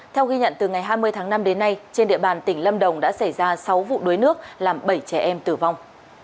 theo ghi nhận từ ngày hai mươi tháng năm đến nay trên địa bàn tỉnh lâm đồng đã xảy ra sáu vụ đuối nước làm bảy trẻ em tử vong